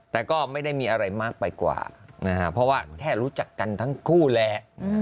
แต่ก็ไม่ได้มีอะไรมากไปกว่าเพราะว่าแค่รู้จักกันทั้งคู่แหละ